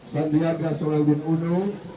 sandiaga sulaiman i